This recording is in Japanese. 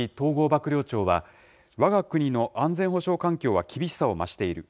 幕僚長は、わが国の安全保障環境は厳しさを増している。